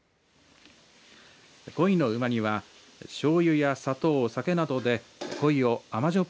こいのうま煮はしょうゆや砂糖、酒などでこいを甘じょっ